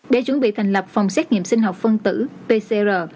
để chuẩn bị thành lập phòng xét nghiệm sinh học phân tử pcr